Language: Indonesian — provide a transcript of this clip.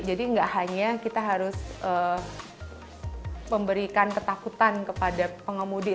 jadi nggak hanya kita harus memberikan ketakutan kepada pengemudi